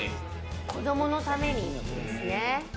子どものためにですね。